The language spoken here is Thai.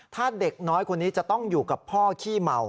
ถ้าเด็กน้อยคนนี้จะต้องอยู่กับพ่อขี้เมา